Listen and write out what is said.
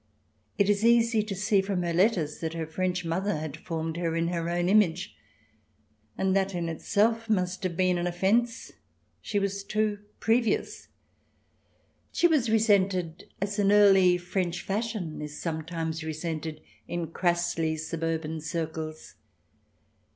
It is easy to see from her letters that her French mother had formed her in her own image, and that in itself must have been an offence. She was too CH. xvii] QUEENS DISCROWNED 225 " previous "; she was resented as an early French fashion is sometimes resented in crassly suburban circles.